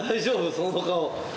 その顔。